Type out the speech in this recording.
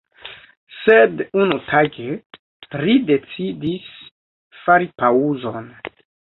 Sed unutage, ri decidis fari paŭzon.